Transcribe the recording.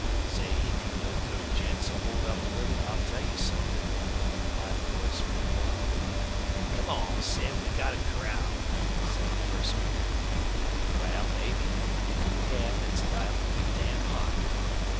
"Say, if you locoed gents'll hold up a little I'll tell you somethin'," replied a voice from the bluff. "Come on, Sid! We got him corralled," said the first speaker. "Wal, mebbe, an' if you hev it's liable to be damn hot.